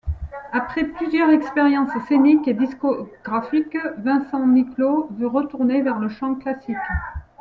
Après plusieurs expériences scéniques et discographiques, Vincent Niclo veut retourner vers le chant classique.